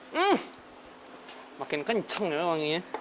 hmm makin kenceng ya wanginya